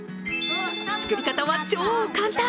作り方は超簡単。